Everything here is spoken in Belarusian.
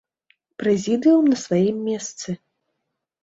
Прэзідыум на сваім месцы.